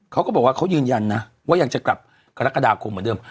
เขาก็บอกว่าเขายืนยันนะว่ายังจะกลับกรกฎาคมเหมือนเดิม